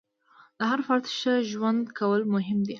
د هر فرد ښه ژوند کول مهم دي.